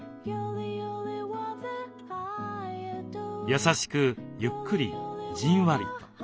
優しくゆっくりじんわりと。